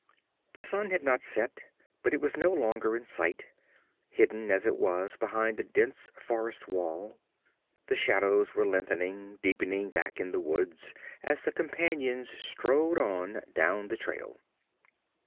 The sun had not set, but it was no longer in sight, hidden as it was behind the dense forest wall. The shadows were lengthening, deepening back in the woods as the companions strode on down the trail.